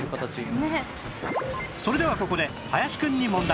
それではここで林くんに問題